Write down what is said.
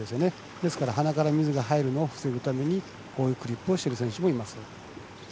ですから鼻から水が入るのを防ぐためにこういうクリップをしている選手もいます。